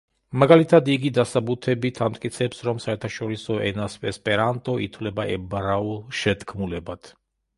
მაგალითად, იგი დასაბუთებით ამტკიცებს, რომ საერთაშორისო ენა ესპერანტო ითვლება ებრაულ შეთქმულებად.